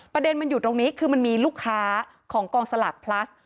ประเด็นมันอยู่ตรงนี้คือมันมีลูกค้าของกองสลากพลัส